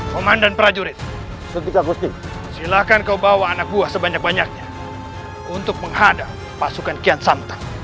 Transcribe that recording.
komandan prajurit silakan kau bawa anak buah sebanyak banyaknya untuk menghadap pasukan kian santan